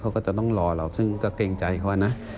ก็ต้องรอเราซึ่งก็เกรงใจเขานะ